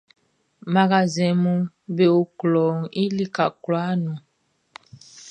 Magasinʼm be o klɔʼn i lika kwlaa nun.